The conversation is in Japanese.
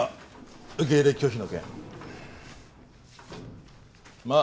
受け入れ拒否の件まあ